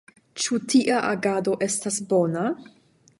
Ĉu tia agado estas bona?